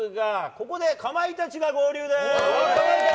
ここでかまいたちが合流です。